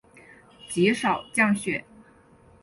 极少降雪。